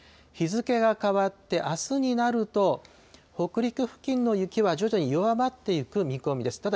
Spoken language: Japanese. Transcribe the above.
日付が変わって、あすになると、北陸付近の雪は徐々に弱まっていく見込みです。